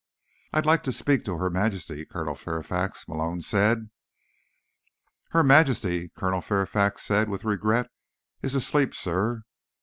"I'd like to speak to Her Majesty, Colonel Fairfax," Malone said. "Her Majesty," Colonel Fairfax said with regret, "is asleep, sir.